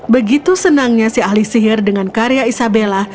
begitu senangnya si ahli sihir dengan karya isabella